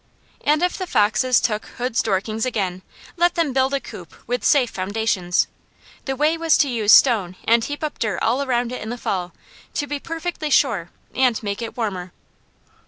And if the foxes took Hoods' Dorkings again, let them build a coop with safe foundations. The way was to use stone and heap up dirt around it in the fall, to be perfectly sure, and make it warmer.